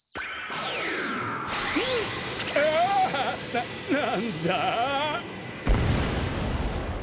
ななんだ！？